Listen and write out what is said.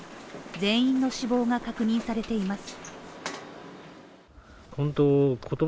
全員の死亡が確認されています。